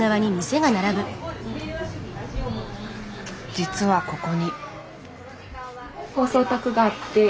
実はここに。